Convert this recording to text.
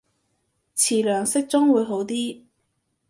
詞量適中會好啲